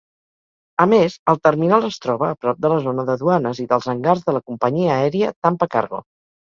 A més, el terminal es troba a prop de la zona de duanes i dels hangars de la companyia aèria Tampa Cargo.